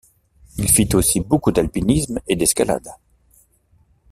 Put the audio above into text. Il fit aussi beaucoup d’alpinisme et d’escalade.